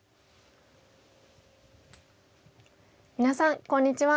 皆さんこんにちは。